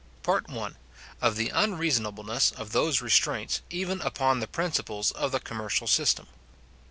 Part I—Of the Unreasonableness of those Restraints, even upon the Principles of the Commercial System.